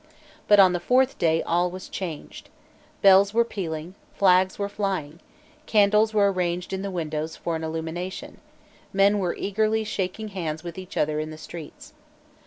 But on the fourth day all was changed. Bells were pealing: flags were flying: candles were arranged in the windows for an illumination; men were eagerly shaking hands with each other in the streets.